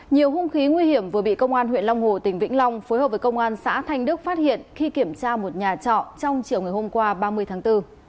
nhiều hung khí nguy hiểm vừa bị công an huyện long hồ tỉnh vĩnh long phối hợp với công an xã thanh đức phát hiện khi kiểm tra một nhà trọ trong chiều ngày hôm qua ba mươi tháng bốn